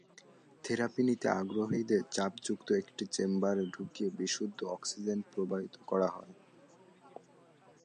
Therapy নিতে আগ্রহীদের চাপযুক্ত একটি চেম্বারে ঢুকিয়ে বিশুদ্ধ অক্সিজেন প্রবাহিত করা হয়।